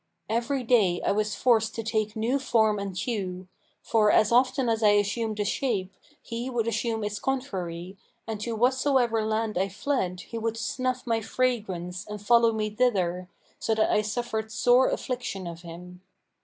Every day I was forced to take new form and hue; for, as often as I assumed a shape, he would assume its contrary, and to whatsoever land I fled he would snuff my fragrance and follow me thither, so that I suffered sore affliction of him.